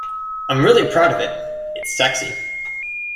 I'm really proud of it... It's sexy.